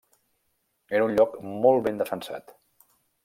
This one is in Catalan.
Era un lloc molt ben defensat.